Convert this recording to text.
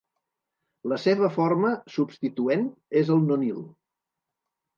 La seva forma substituent és el nonil.